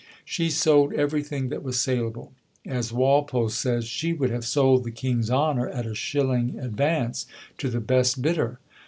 She sold everything that was saleable. As Walpole says, "She would have sold the King's honour at a shilling advance to the best bidder."